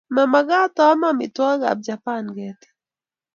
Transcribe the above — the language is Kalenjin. ma mekat aame amitwogikab Japan ketik